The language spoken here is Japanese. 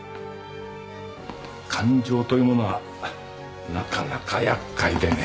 感情というものはなかなかやっかいでね。